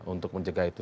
untuk mencegah itu